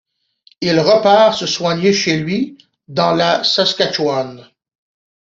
Il repart se soigner chez lui dans la Saskatchewan.